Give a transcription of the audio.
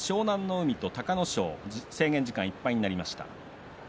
海と隆の勝制限時間いっぱいになりました。